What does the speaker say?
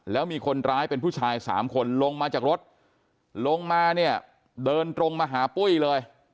แล้วมีคนร้ายเป็นผู้ชายสามคนลงมาจากรถลงมาเนี่ยเดินตรงมาหาปุ้ยเลย